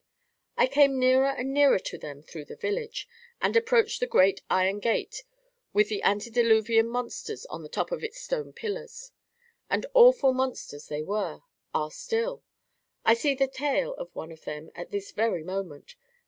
I came nearer and nearer to them through the village, and approached the great iron gate with the antediluvian monsters on the top of its stone pillars. And awful monsters they were—are still! I see the tail of one of them at this very moment.